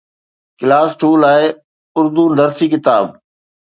class II لاءِ اردو درسي ڪتاب